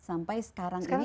sampai sekarang ini